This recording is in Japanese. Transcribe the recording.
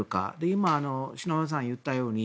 今、篠山さんが言ったように